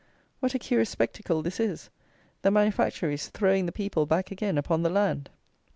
What a curious spectacle this is: the manufactories throwing the people back again upon the land!